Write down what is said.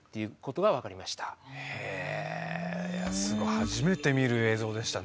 初めて見る映像でしたね。